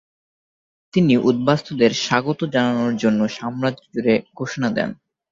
তিনি উদ্বাস্তুদের স্বাগত জানানোর জন্য সাম্রাজ্য জুড়ে ঘোষণা দেন।